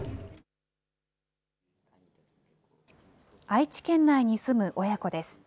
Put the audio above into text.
愛知県内に住む親子です。